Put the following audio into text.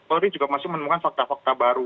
polri juga masih menemukan fakta fakta baru